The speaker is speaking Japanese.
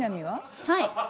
はい。